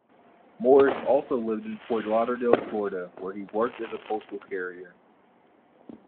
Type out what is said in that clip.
Morris also lived in Fort Lauderdale, Florida, where he worked as a postal carrier.